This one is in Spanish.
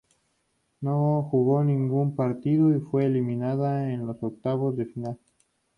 No jugó ningún partido, y fue eliminada en los octavos de final.